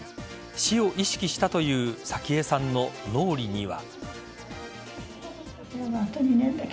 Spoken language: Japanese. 死を意識したという早紀江さんの脳裏には。